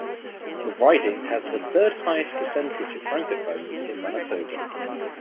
The riding has the third-highest percentage of francophones in Manitoba.